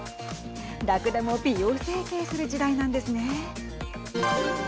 らくだも美容整形する時代なんですね。